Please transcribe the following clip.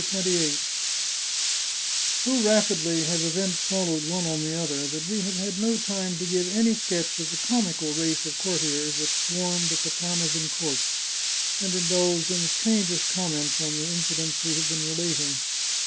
CHAPTER XXVIII So rapidly have events followed one on the other, that we have had no time to give any sketch of the comical race of courtiers that swarmed at the Parmesan court, and in dulged in the strangest comments on the incidents we have been relating.